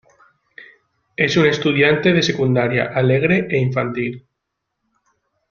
Es un estudiante de secundaria, alegre e infantil.